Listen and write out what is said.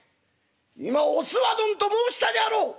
今『おすわどん』と申したであろう！」。